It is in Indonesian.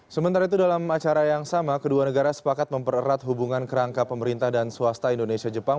sementara itu dalam acara yang sama kedua negara sepakat mempererat hubungan kerangka pemerintah dan swasta indonesia jepang